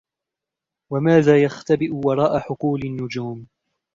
وماذا يختبئ وراء حقول النجوم؟